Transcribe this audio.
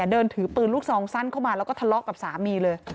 เดินถือปืนลูกซองสั้นเข้ามาแล้วก็ทะเลาะกับสามีเลย